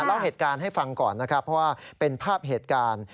เล่าเหตุการณ์ให้ฟังก่อนนะครับเพราะว่าเป็นภาพเหตุการณ์